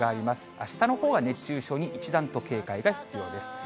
あしたのほうが熱中症に一段と警戒が必要です。